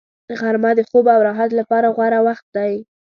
غرمه د خوب او راحت لپاره غوره وخت دی